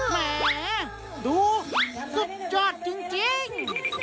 แหมดูสุดยอดจริง